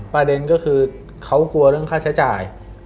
ประเด็นก็คือเขากลัวเรื่องค่าใช้จ่าย